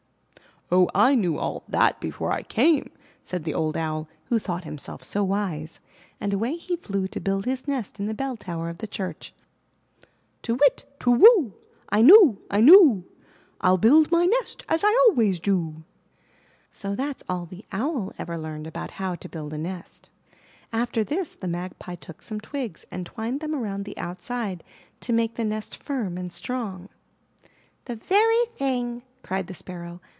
'*0h, I knew all that before I came," said the old Owl, who thought himself so wise, and away he flew to build his nest in the bell tower of the church. *Tu whit, tu whoo! I knew ! I knew ! rU build my nest As I always do!*' So that's all the Owl ever learned about how to build a nest. After this the Magpie took some twigs and twined them round the outside to make the nest firm and strong. 174 IN THE NURSERY The very thing!" cried the Sparrow.